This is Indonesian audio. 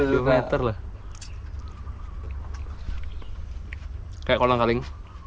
seperti kolang kaling